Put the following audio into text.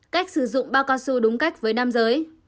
cách sử dụng bao cao su đúng cách với nam giới